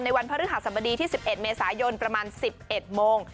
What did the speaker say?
ในวันพระฤทธิษฐรรมดีที่๑๑เมษายนประมาณ๑๑โมง